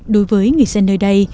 đối với người dân nơi đây